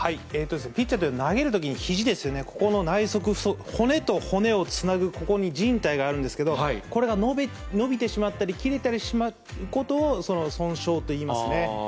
ピッチャーというのは、投げるときにひじですよね、ここの骨と骨をつなぐここにじん帯があるんですけど、これが伸びてしまったり、切れたりすることを損傷と言いますね。